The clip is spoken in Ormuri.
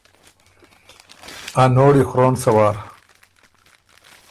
”ا نوړی خرون سۀ وار“